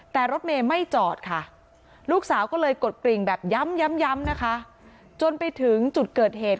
แต่รถเมย์ไม่จอดค่ะลูกสาวก็เลยกดกริ่งแบบย้ำนะคะจนไปถึงจุดเกิดเหตุ